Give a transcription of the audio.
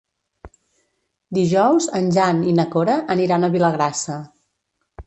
Dijous en Jan i na Cora aniran a Vilagrassa.